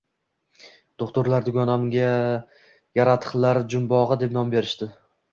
Doʻxtirlar dugonamga yaratiqlar jumbogʻi deb nom berishdi